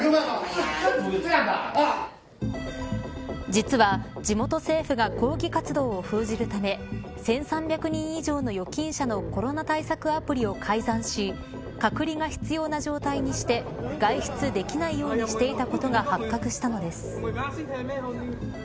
実は地元政府が抗議活動を封じるため１３００人以上の預金者のコロナ対策アプリを改ざんし隔離が必要な状態にして外出できないようにしていたことが発覚したのです。